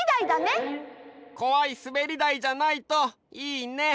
こわいすべりだいじゃないといいね！